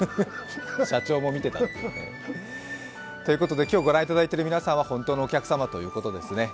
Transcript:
社長も見てたってね。ということで今日、御覧いただいている皆さんは本当のお客様ということです。